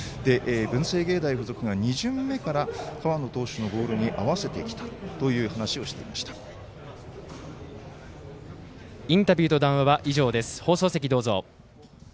文星芸大付属が２巡目から河野投手のボールに合わせてきたという話をインタビューと談話は以上です。